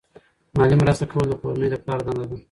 مالی مرسته کول د کورنۍ د پلار دنده ده.